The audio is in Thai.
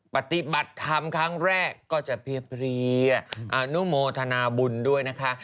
ปฏิบัติธรรมครั้งแรกก็จะเพียอนุโมทนาบุญด้วยนะคะ